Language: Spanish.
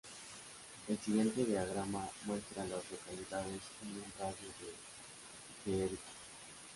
El siguiente diagrama muestra a las localidades en un radio de de Erwin.